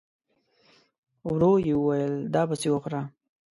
ورو يې وويل: دا پسې وخوره!